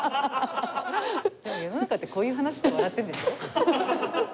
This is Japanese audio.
世の中ってこういう話で笑ってるんでしょ？